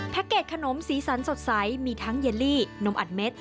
เกจขนมสีสันสดใสมีทั้งเยลลี่นมอัดเม็ด